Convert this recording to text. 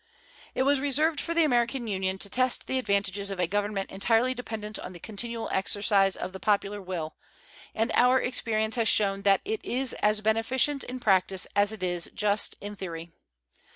It was reserved for the American Union to test the advantages of a government entirely dependent on the continual exercise of the popular will, and our experience has shown that it is as beneficent in practice as it is just in theory.